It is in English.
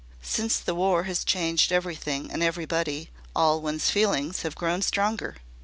Since the War has changed everything and everybody, all one's feelings have grown stronger.